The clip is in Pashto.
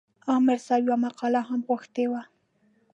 عامر صاحب یوه مقاله هم غوښتې وه.